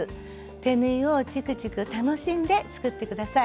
手縫いをちくちく楽しんで作って下さい。